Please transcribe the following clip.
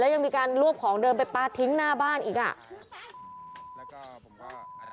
ยังมีการรวบของเดิมไปปลาทิ้งหน้าบ้านอีกอ่ะแล้วก็ผมก็